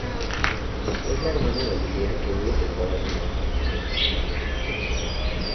Es la hermana de Olivia que vive temporalmente en el hogar de la difunta.